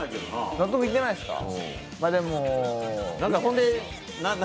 納得いってないですか。